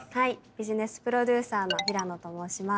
ビジネスプロデューサーの平野と申します。